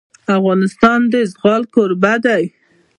افغانستان د زغال کوربه دی.